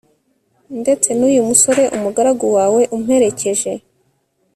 ndetse n'uyu musore, umugaragu wawe, umperekeje